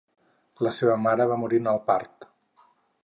La seva mare va morir en el part.